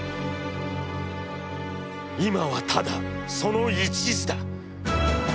いまはただその一事だ。